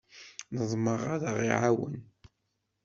Neḍmeɛ ad aɣ-iɛawen.